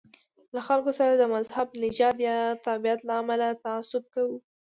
له خلکو سره د مذهب، نژاد یا تابعیت له امله تعصب کوو.